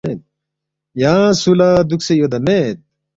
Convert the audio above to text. یانگ سُو لہ دُوکسے یودا مید؟“